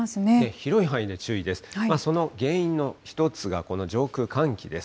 広い範囲で注意です。